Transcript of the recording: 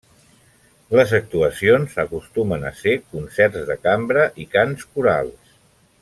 Les actuacions acostumen a ser concerts de cambra i cants corals.